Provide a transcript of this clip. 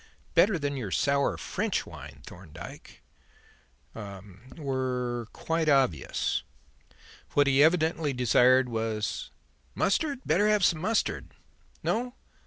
Better than your sour French wine, Thorndyke were er were quite obvious. What he evidently desired was mustard? Better have some mustard. No?